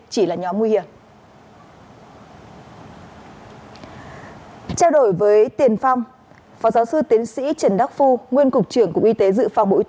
chỉ là nhóm nguy hiểm